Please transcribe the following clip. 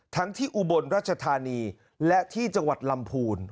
ที่อุบลรัชธานีและที่จังหวัดลำพูน